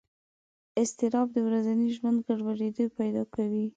اضطراب د ورځني ژوند ګډوډۍ پیدا کوي.